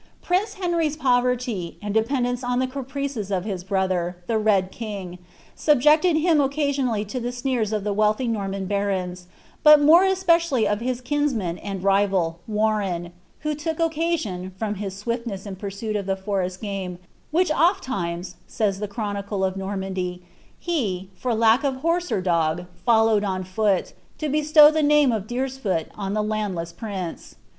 Prince Henry^s poverty, and dependence on the caprices of his brother, tlie Red King, subjected him occasionally to the sneers of the wealthy Norman barons, but more especially of his kinsman and rival, Warren,* who took occasion, from his swiftness in pursuit of the forest game, ^ which oft times," says the chronicle of Normandy, ^ he, for lack of horse or dog, followed on foot, to bestow the name of Deer^s foot on the landless prince.